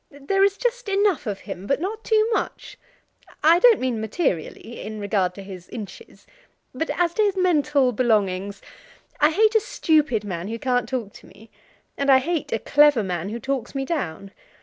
There is just enough of him, but not too much. I don't mean materially, in regard to his inches; but as to his mental belongings. I hate a stupid man who can't talk to me, and I hate a clever man who talks me down.